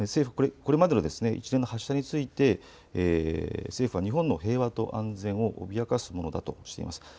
これまでの一連の発射について政府は日本の平和と安全を脅かすものだとしています。